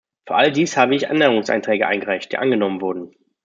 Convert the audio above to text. Für all dies habe ich Änderungsanträge eingereicht, die angenommen wurden.